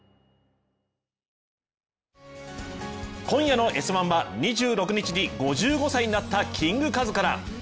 今夜の「Ｓ☆１」は、２６日に５５歳になったキングカズから。